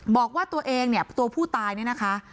บอกว่าตัวเองเนี่ยตัวผู้ตายเนี่ยนะคะ